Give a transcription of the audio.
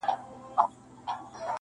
چي به خبره د پښتو چي د غیرت به سوله-